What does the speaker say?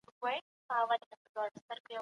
هغه څېړونکی چي ډېر زیار باسي تل بریالی کیږي.